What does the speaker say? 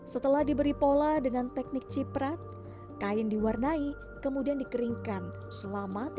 setelah diberi pola dengan teknik ciprat kain diwarnai kemudian dikeringkan selama tiga puluh menit